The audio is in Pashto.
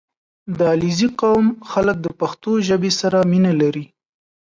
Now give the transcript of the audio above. • د علیزي قوم خلک د پښتو ژبې سره مینه لري.